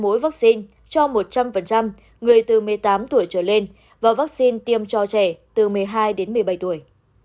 hai mũi vaccine cho một trăm linh người từ một mươi tám tuổi trở lên và vaccine tiêm cho trẻ từ một mươi hai một mươi bảy tuổi